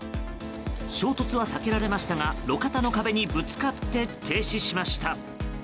衝突は避けられましたが路肩の壁にぶつかって停止しました。